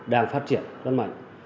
đang phát triển rất mạnh